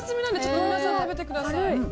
なんでちょっと皆さん食べてください。